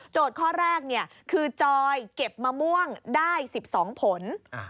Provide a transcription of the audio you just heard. ข้อแรกคือจอยเก็บมะม่วงได้๑๒ผล